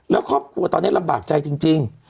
แล้วครอบครัวตอนนี้ลำบากใจจริง